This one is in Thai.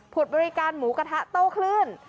บริการหมูกระทะโต้คลื่น